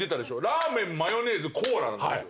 ラーメンマヨネーズコーラなんですよ。